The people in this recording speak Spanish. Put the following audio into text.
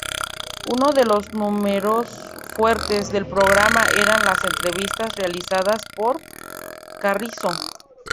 Uno de los números fuertes del programa eran las entrevistas realizadas por Carrizo.